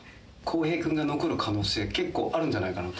洸平君が残る可能性、結構あるんじゃないかなと。